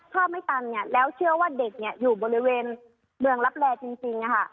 ถ้าไม่ตันแล้วเชื่อว่าเด็กอยู่บริเวณเมืองรับแร่จริง